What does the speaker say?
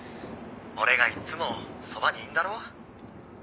「俺がいつもそばにいんだろ？」